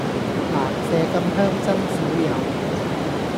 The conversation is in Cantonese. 蘭麝咁香真少有